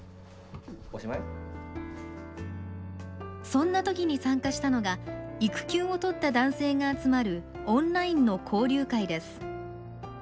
そんなときに参加したのが育休を取った男性が集まるオンラインの交流会です。